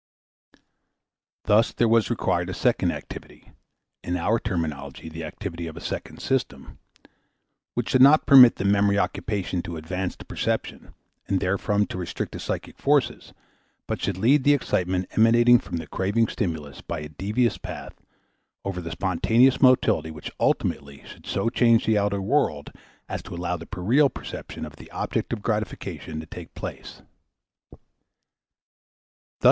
Thus there was required a second activity in our terminology the activity of a second system which should not permit the memory occupation to advance to perception and therefrom to restrict the psychic forces, but should lead the excitement emanating from the craving stimulus by a devious path over the spontaneous motility which ultimately should so change the outer world as to allow the real perception of the object of gratification to take place.